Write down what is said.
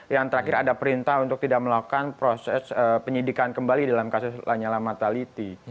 yang terakhir ada perintah untuk tidak melakukan proses penyidikan kembali dalam kasus lanyala mataliti